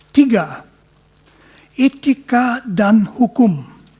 tiga etika dan hukum